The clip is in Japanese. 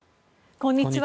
こんにちは。